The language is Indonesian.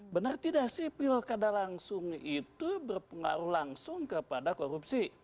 benar tidak sih pilkada langsung itu berpengaruh langsung kepada korupsi